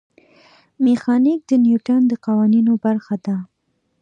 میخانیک د نیوټن د قوانینو برخه ده.